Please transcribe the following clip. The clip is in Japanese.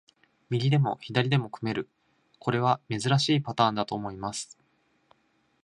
右でも左でも組める、これは珍しいパターンだと思います。